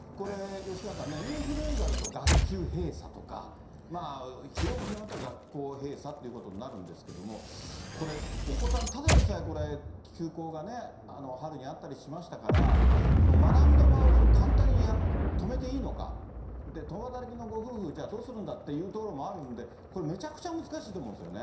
吉川さんね、インフルエンザだと学級閉鎖とか、広く広まったら学校閉鎖ということになるんですけど、これ、お子さん、ただでさえこれ、休校がね、春にあったりしましたから、学びの場を簡単に止めていいのか、共働きのご夫婦、どうするんだというところもあるんで、これ、めちゃくちゃ難しいと思うんですよね。